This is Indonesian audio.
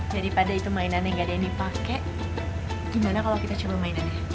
jadi pada itu mainannya nggak ada yang dipake gimana kalau kita coba mainannya